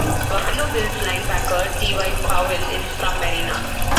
Buffalo Bills linebacker Ty Powell is from Marina.